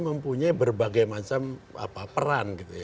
mempunyai berbagai macam peran